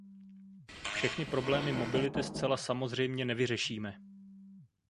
Všechny problémy mobility zcela samozřejmě nevyřešíme.